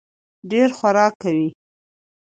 ډېر خورک کوي.